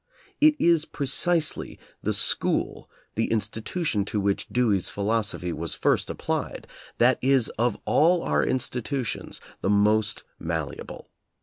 It is precisely the school, the institu tion to which Dewey's philosophy was first ap plied, that is of all our institutions the most mal leable.